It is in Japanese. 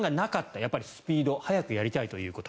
やっぱりスピード早くやりたいということ。